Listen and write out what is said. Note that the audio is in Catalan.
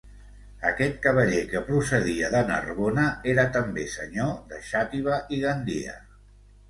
Aquest cavaller que procedia de Narbona era també senyor de Xàtiva i Gandia.